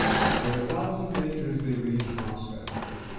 Through a thousand dangers they reached Moscow.